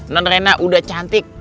non rena udah cantik